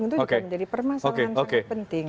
itu juga menjadi permasalahan sangat penting